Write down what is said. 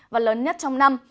và lớn nhất trong năm